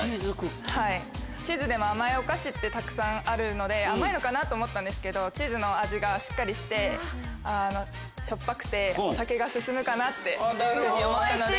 チーズでも甘いお菓子ってたくさんあるので甘いのかなと思ったんですけどチーズの味がしっかりしてしょっぱくてお酒が進むかなって。